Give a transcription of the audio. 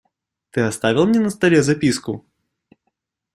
Ты оставил мне на столе записку?